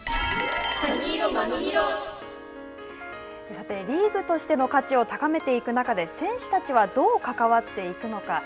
さて、リーグとしての価値を高めていく中で選手たちはどう関わっていくのか。